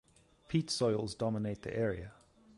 Peat soils dominate the area.